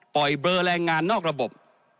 ปล่อยเบลอแรงงานนอกระบบ